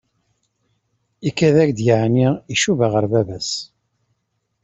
Ikad-ak-d yeεni icuba ɣer baba-s?